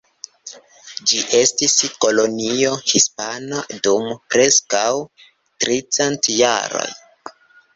Ĝi estis kolonio hispana dum preskaŭ tricent jaroj.